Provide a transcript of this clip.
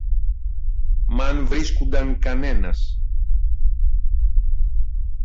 Μ' αν βρίσκουνταν κανένας.